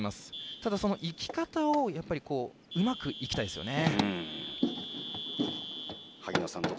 ただ、そのいき方をやっぱりうまくいきたいですよね。